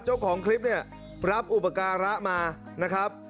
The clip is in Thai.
เจ้าของคลิปเนี่ยรับอุปการะมานะครับ